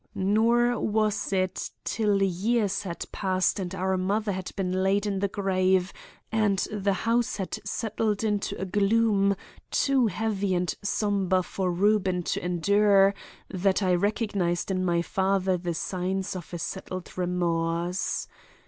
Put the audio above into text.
Nor was it till years had passed and our mother had been laid in the grave and the house had settled into a gloom too heavy and somber for Reuben to endure, that I recognized in my father the signs of a settled remorse.